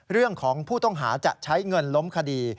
เรื่องของผู้ต้องหาจะใช้เงินล้มคดี